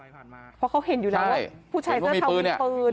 เพราะเขาเห็นอยู่แล้วว่าผู้ชายเสื้อเทาเป็นปืน